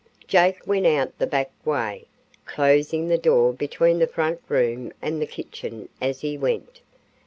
Jake went out the back way, closing the door between the front room and the kitchen as he went.